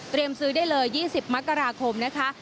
เตรียมซื้อได้เลย๒๐มกราคมนะคะ